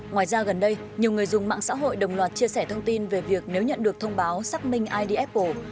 ngoài ra gần đây nhiều người dùng mạng xã hội đồng loạt chia sẻ thông tin về việc nếu nhận được thông báo xác minh id apple